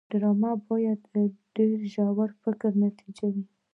ډرامه باید د ژور فکر نتیجه وي